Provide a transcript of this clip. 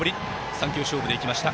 ３球勝負でいきました。